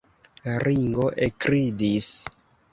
Ringo ekridis.